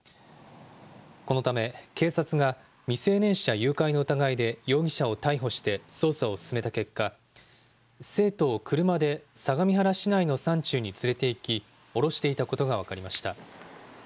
このため警察が未成年者誘拐の疑いで容疑者を逮捕して、捜査を進めた結果、生徒を車で相模原市内の山中に連れていき、降ろしていたことが分かりました。